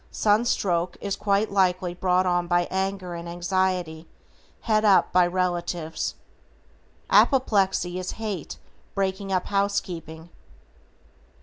Sunstroke is quite likely brought on by anger and anxiety "het up" by relatives. Apoplexy is hate breaking up housekeeping.